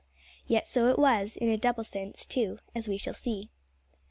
Yet so it was, in a double sense, too, as we shall see.